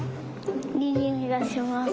いいにおいがします。